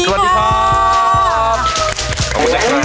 สวัสดีค่ะ